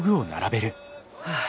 はあ。